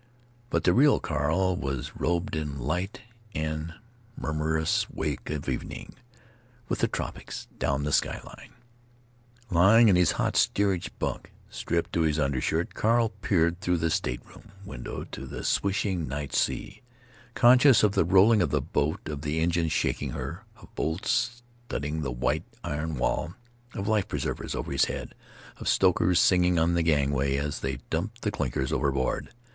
But the real Carl was robed in light and the murmurous wake of evening, with the tropics down the sky line. Lying in his hot steerage bunk, stripped to his under shirt, Carl peered through the "state room" window to the swishing night sea, conscious of the rolling of the boat, of the engines shaking her, of bolts studding the white iron wall, of life preservers over his head, of stokers singing in the gangway as they dumped the clinkers overboard.